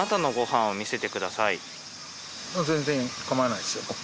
全然かまわないですよ。